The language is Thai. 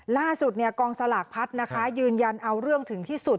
ล่าสุดกองสลากพัดนะคะยืนยันเอาเรื่องถึงที่สุด